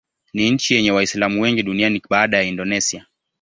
Ni nchi yenye Waislamu wengi duniani baada ya Indonesia.